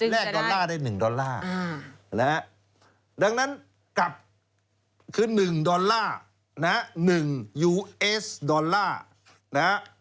แนกดอลลาร์ได้๑ดอลลาร์ดังนั้นกลับคือ๑ดอลลาร์๑ยูเอสดอลลาร์